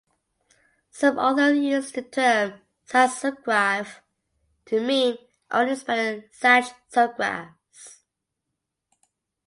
Some authors use the term "Sachs subgraph" to mean only spanning Sachs subgraphs.